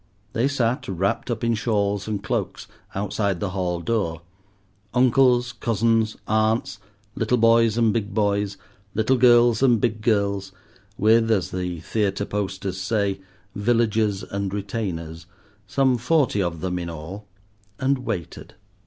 They sat, wrapped up in shawls and cloaks, outside the hall door—uncles, cousins, aunts, little boys and big boys, little girls and big girls, with, as the theatre posters say, villagers and retainers, some forty of them in all, and waited.